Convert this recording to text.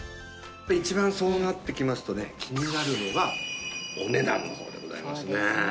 一番そうなってきますとね気になるのがお値段の方でございますね。